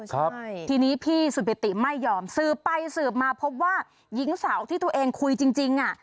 ครับทีนี้พี่สุปิติไม่ยอมสืบไปสืบมาพบว่าหญิงสาวที่ตัวเองคุยจริงจริงอ่ะ